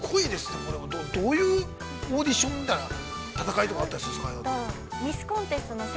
これは、どういうオーディションみたいな闘いとか、あったんですか。